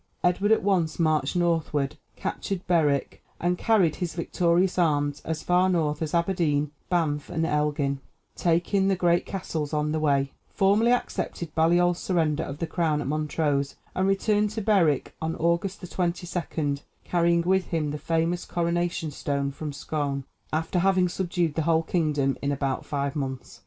Edward at once marched northward, captured Berwick, and carried his victorious arms as far north as Aberdeen, Banff, and Elgin, taking the great castles on the way, formally accepted Baliol's surrender of the crown at Montrose, and returned to Berwick (August 22), carrying with him the famous coronation stone from Scone, after having subdued the whole kingdom in about five months.